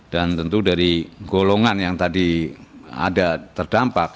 dan tentu dari golongan yang tadi ada terdampak